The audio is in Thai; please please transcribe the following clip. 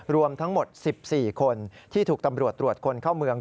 รวมทั้งหมด๑๔คนที่ถูกตำรวจตรวจคนเข้าเมือง